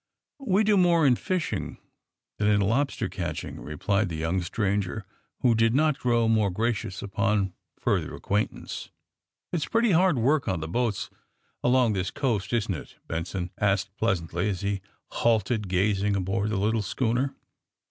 '' We do more in fishing than in lobster catch ing," replied the young stranger, who did not grow more gracious upon further acquaintance. ''It's pretty hard work on the boats along this coast, isn't it!" Benson asked pleasantly, as he halted, gazing aboard the little schooner.